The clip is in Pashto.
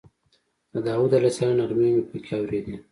د داود علیه السلام نغمې مې په کې اورېدې.